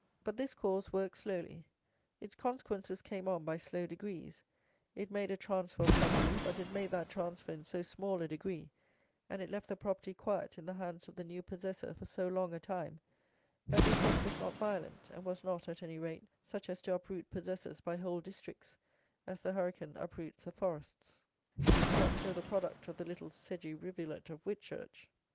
But this cause worked slowly; its consequences came on by slow degrees; it made a transfer of property, but it made that transfer in so small a degree, and it left the property quiet in the hands of the new possessor for so long a time, that the effect was not violent, and was not, at any rate, such as to uproot possessors by whole districts, as the hurricane uproots the forests. Not so the product of the little sedgy rivulet of Whitchurch!